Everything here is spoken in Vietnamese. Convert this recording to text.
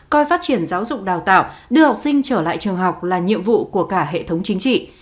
coi phát triển giáo dục đào tạo đưa học sinh trở lại trường học là nhiệm vụ của cả hệ thống chính trị